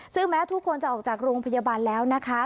ซึ่งแม้ทุกคนจะออกจากโรงพยาบาลแล้วนะคะ